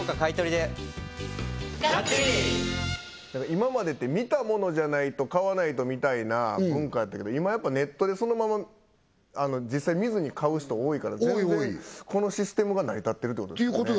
今までって見たものじゃないと買わないとみたいな文化やったけど今やっぱネットでそのまま実際見ずに買う人多いから全然このシステムが成り立ってるってことですよね